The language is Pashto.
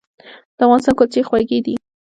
د افغانستان کلچې خوږې دي